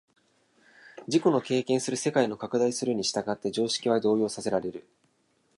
自己の経験する世界の拡大するに従って常識は動揺させられる。